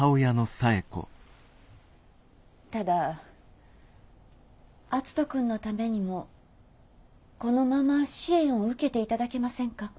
ただ篤人君のためにもこのまま支援を受けていただけませんか？